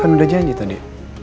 kan udah janji tadi